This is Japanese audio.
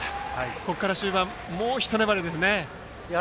ここから終盤もうひと粘りですね。